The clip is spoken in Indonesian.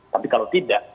tapi kalau tidak